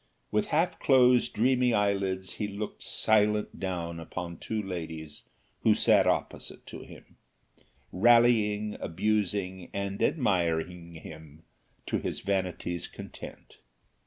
With half closed dreamy eyelids he looked silent down upon two ladies who sat opposite to him, rallying, abusing, and admiring him to his vanity's content.